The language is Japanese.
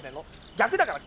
逆だから。